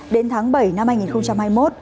đến tháng bảy năm hai nghìn hai mươi một